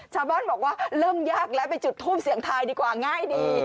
ชาวบ้านบอกว่าเริ่มยากแล้วไปจุดทูปเสียงทายดีกว่าง่ายดี